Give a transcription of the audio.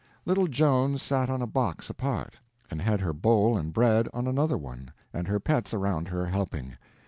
Little Joan sat on a box apart, and had her bowl and bread on another one, and her pets around her helping.